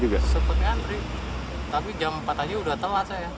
tapi jam empat saja sudah telat